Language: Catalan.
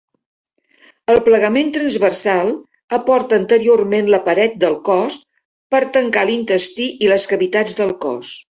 El plegament transversal aporta anteriorment la paret del cos per tancar l'intestí i les cavitats del cos.